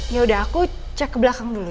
yaudah aku cek ke belakang dulu ya